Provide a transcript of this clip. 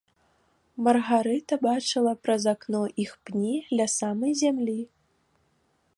Маргарыта бачыла праз акно іх пні ля самай зямлі.